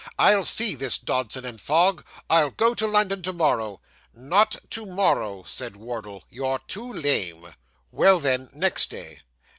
'I'll see this Dodson and Fogg! I'll go to London to morrow.' 'Not to morrow,' said Wardle; 'you're too lame.' 'Well, then, next day.